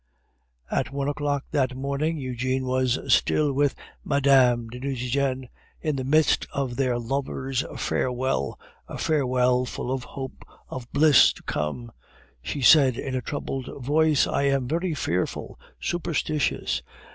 At one o'clock that morning Eugene was still with Mme. de Nucingen. In the midst of their lovers' farewell, a farewell full of hope of bliss to come, she said in a troubled voice, "I am very fearful, superstitious.